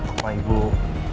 apa ibu tau